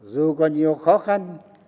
dù có nhiều khó khăn